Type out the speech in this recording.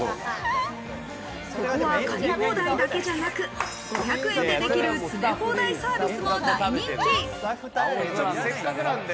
ここは狩り放題だけじゃなく、５００円でできる詰め放題サービスも大人気。